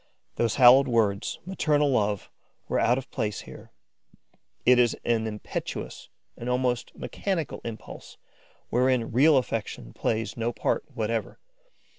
Those hallowed words, maternal love, were out of place here: it is an impetuous, an almost mechanical impulse, wherein real affection plays no part whatever.